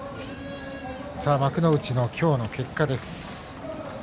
幕内の今日の結果です。